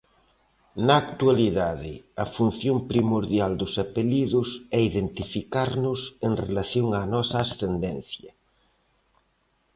Na actualidade, a función primordial dos apelidos é identificarnos en relación á nosa ascendencia.